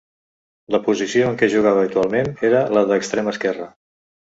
La posició en què jugava habitualment era la de extrem esquerre.